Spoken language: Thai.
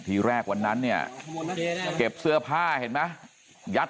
ที่แรกอ่านนั้นเนี่ยเก็บเสื้อผ้ายัดใส่กลัว